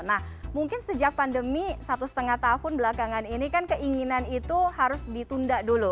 nah mungkin sejak pandemi satu lima tahun belakangan ini kan keinginan itu harus ditunda dulu